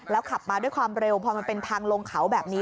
ขับมาด้วยความเร็วพอมันเป็นทางลงเขาแบบนี้